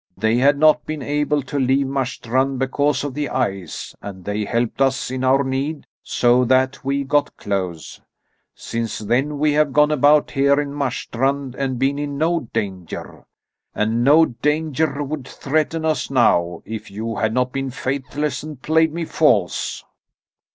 They had not been able to leave Marstrand because of the ice, and they helped us in our need, so that we got clothes. Since then we have gone about here in Marstrand and been in no danger. And no danger would threaten us now, if you had not been faithless and played me false."